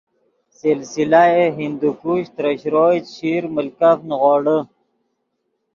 سلسلہ ہندوکش ترے شروئے، چیشیر ملکف نیغوڑے